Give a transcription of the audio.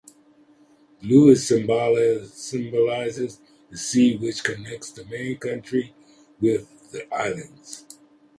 Blue symbolizes the sea, which connects the main country with the islands.